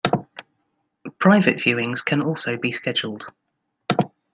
Private viewings can also be scheduled.